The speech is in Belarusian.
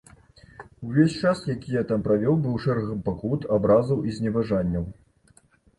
Увесь час, які я там правёў, быў шэрагам пакут, абразаў і зневажанняў.